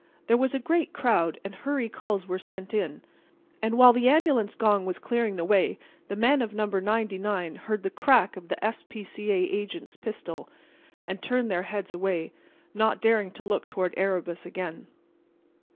There was a great crowd, and hurry calls were sent in; and while the ambulance gong was clearing the way the men of No. 99 heard the crack of the S. P. C. A. agent's pistol, and turned their heads away, not daring to look toward Erebus again.